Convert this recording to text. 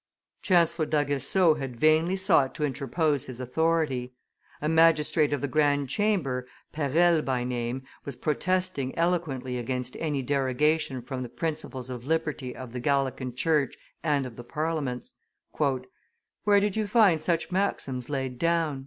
Chancellor d'Aguesseau had vainly sought to interpose his authority; a magistrate of the Grand Chamber, Perelle by name, was protesting eloquently against any derogation from the principles of liberty of the Gallican Church and of the Parliaments. "Where did you find such maxims laid down?"